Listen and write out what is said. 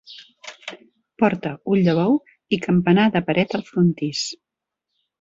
Porta, ull de bou i campanar de paret al frontis.